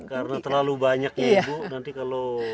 karena terlalu banyak ya bu